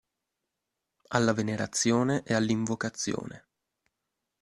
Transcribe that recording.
Alla venerazione e all'invocazione.